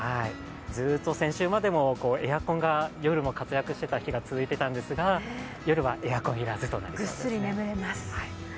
ずっと先週までもエアコンが夜も活躍していた日が続いていたんですが夜はエアコンいらずとなります。